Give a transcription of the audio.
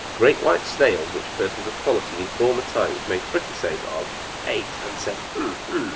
The great white snails which persons of quality in former times made fricassees of, ate, and said, "Hem, hem!